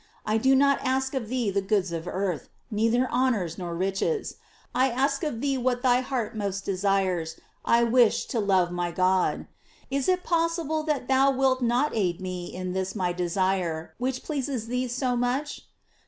I do not ask of thee the goods of earth. GLOIilE OF MAKY. 77 1 neither honors nor riches; I ask of thee what thy heart most desires, I wish to love my God. Is it possible that thou wilt not aid me in this my desire, which pleases thee so much